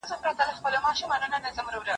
طب د علم په برخه کي ډیر مهم دی.